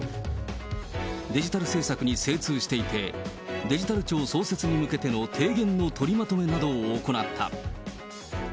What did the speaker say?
デジタル政策に精通していて、デジタル庁創設に向けての提言の取りまとめなどを行った。